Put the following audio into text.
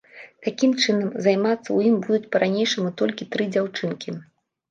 Такім чынам, займацца ў ім будуць па-ранейшаму толькі тры дзяўчынкі.